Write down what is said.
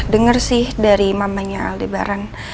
denger sih dari mamanya aldebaran